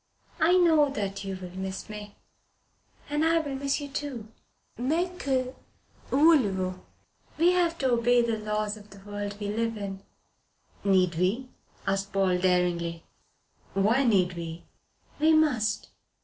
I know that you will miss me. And I will miss you too. Mais que voulez vous? We have to obey the laws of the world we live in." "Need we?" asked Paul daringly. "Why need we?" "We must.